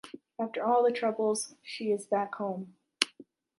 After all the troubles, she is back home.